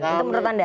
itu menurut anda